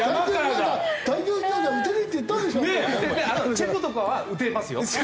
チェコとかは打てますよ。